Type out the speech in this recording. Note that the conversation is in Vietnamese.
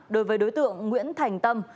đối với đối tượng nguyễn thành tâm